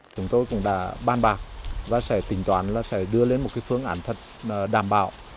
chúng tôi cũng đã ban bạc và sẽ tính toán là sẽ đưa lên một phương án thật đảm bảo